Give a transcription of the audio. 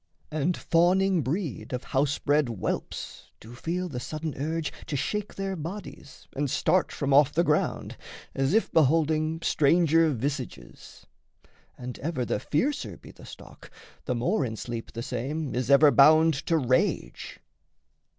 And fawning breed Of house bred whelps do feel the sudden urge To shake their bodies and start from off the ground, As if beholding stranger visages. And ever the fiercer be the stock, the more In sleep the same is ever bound to rage.